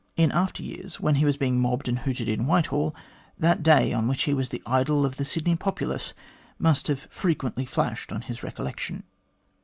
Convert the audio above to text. In after years, when he was being mobbed and hooted in Whitehall, that day on which he was the idol of the Sydney populace must have frequently flashed on his recollection.